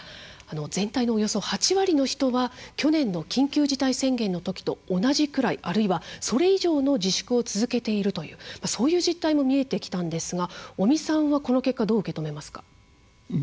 全体のおよそ８割の人は去年の緊急事態宣言のときと同じくらい、あるいはそれ以上の自粛を続けているという実態も見えてきたんですが尾身さんはこの結果どう受け止めますか。